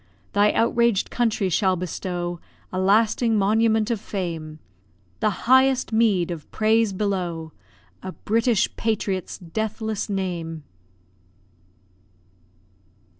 Thy outraged country shall bestow A lasting monument of fame, The highest meed of praise below A British patriot's deathless name!